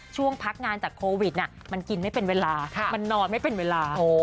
ช่วงพักงานจากโควิดมันกินไม่เป็นเวลามันนอนไม่เป็นเวลา